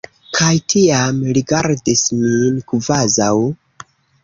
Kaj tiam rigardis min kvazaŭ...